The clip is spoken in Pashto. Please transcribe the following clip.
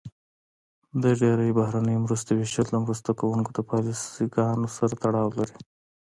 د ډیری بهرنیو مرستو ویشل د مرسته کوونکو د پالیسي ګانو سره تړاو لري.